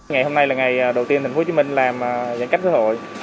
ngày hôm nay là ngày đầu tiên tp hcm làm giãn cách xã hội